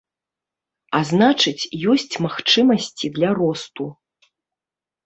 А значыць, ёсць магчымасці для росту.